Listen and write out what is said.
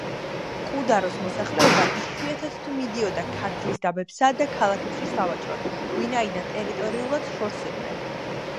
კუდაროს მოსახლეობა იშვიათად თუ მიდიოდა ქართლის დაბებსა და ქალაქებში სავაჭროდ, ვინაიდან ტერიტორიულად შორს იყვნენ.